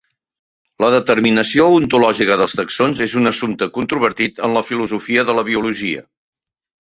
La determinació ontològica dels taxons és un assumpte controvertit en la filosofia de la biologia.